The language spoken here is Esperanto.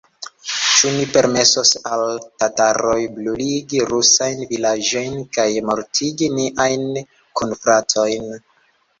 Ĉu ni permesos al tataroj bruligi rusajn vilaĝojn kaj mortigi niajn kunfratojn?